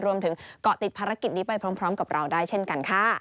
รวมถึงเกาะติดภารกิจนี้ไปพร้อมกับเราได้เช่นกันค่ะ